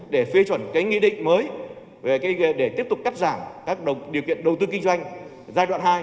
để phê chuẩn cái nghị định mới để tiếp tục cắt giảm các điều kiện đầu tư kinh doanh giai đoạn hai